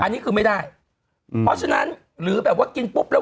อันนี้คือไม่ได้เพราะฉะนั้นหรือแบบว่ากินปุ๊บแล้ว